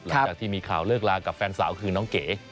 หลังจากที่มีข่าวเลิกลากับแฟนสาวคือน้องเก๋